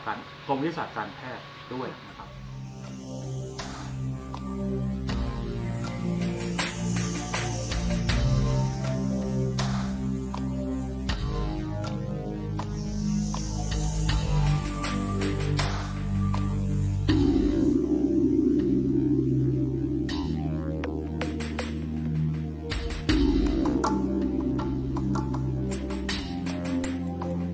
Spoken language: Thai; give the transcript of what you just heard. การโครมวิศษาตรการแพทย์ด้วยนะครับ